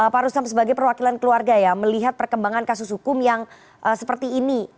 pak rustam sebagai perwakilan keluarga ya melihat perkembangan kasus hukum yang seperti ini